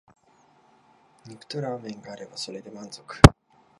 肉とラーメンがあればそれで満足